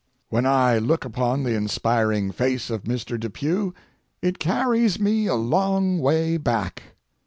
When I look upon the inspiring face of Mr. Depew, it carries me a long way back.